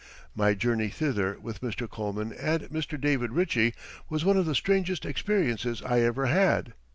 My journey thither with Mr. Coleman and Mr. David Ritchie was one of the strangest experiences I ever had.